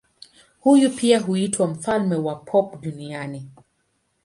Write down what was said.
Huyu pia huitwa mfalme wa pop duniani.